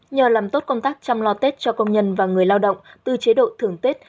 nhờ làm tốt công tác chăm lo tết cho công nhân và người lao động từ chế độ thường tết